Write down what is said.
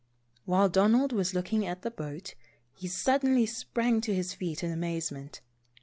While Donald was looking at the boat, he sud denly sprang to his feet in amazement.